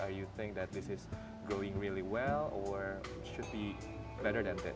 apakah anda pikir ini berkembang dengan baik atau harus lebih baik daripada ini